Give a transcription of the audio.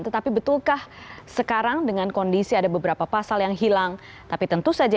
tetapi betulkah sekarang dengan kondisi ada beberapa pasal yang hilang tapi tentu saja